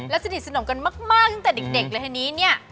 สนิทสนมกันมากตั้งแต่เด็กเลยทีนี้เนี่ย